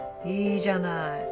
いいじゃない。